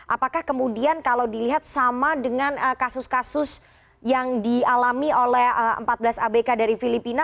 apakah kemudian kalau dilihat sama dengan kasus kasus yang dialami oleh empat belas abk dari filipina